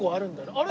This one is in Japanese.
あれ！？